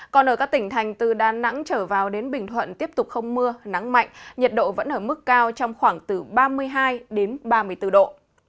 còn ở các tỉnh thành từ đà nẵng trở vào đến bình thuận tiếp tục không mưa nắng mạnh nhiệt độ vẫn ở mức cao trong khoảng từ ba mươi hai đến ba mươi bốn độ